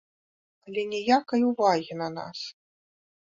Але ніякай увагі на нас.